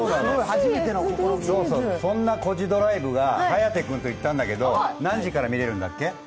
そんな「コジドライブ」が颯君と行ったんだけど何時から見れるんだっけ？